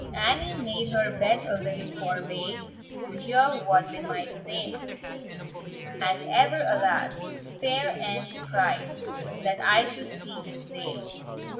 Annie made her bed a little forbye, To hear what they might say; "And ever alas!" Fair Annie cried, "That I should see this day!